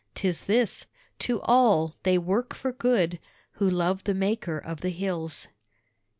'Tis this: to all they work for good Who love the maker of the hills.